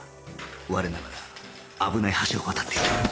我ながら危ない橋を渡っている